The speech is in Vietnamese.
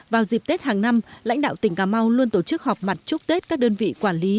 vào dịp tết hàng năm lãnh đạo tỉnh cà mau luôn tổ chức họp mặt chúc tết các đơn vị quản lý